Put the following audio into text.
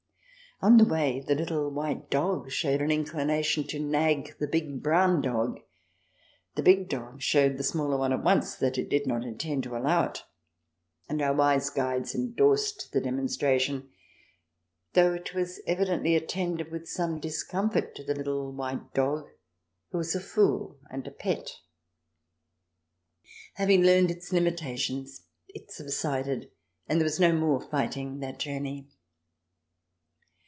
On the way, the little white dog showed an inclina tion to nag the big brown dog ; the big dog showed the smaller at once that it did not intend to allow it, and our wise guides endorsed the demonstration, though it was evidently attended with some dis comfort to the little white dog, who was a fool and a pet. Having learned its limitations it subsided, and there was no more fighting that journey.